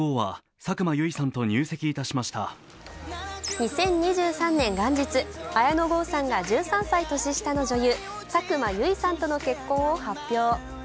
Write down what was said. ２０２３年元日、綾野剛さんが１３歳年下の女優、佐久間由衣さんとの結婚を発表。